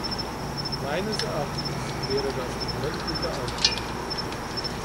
Meines Erachtens wäre das ein rechtlicher Alptraum.